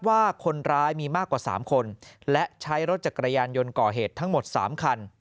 ว่าคนร้ายมีมากกว่า๓คนและใช้รถจักรยานยนต์ก่อเหตุทั้งหมด๓คัน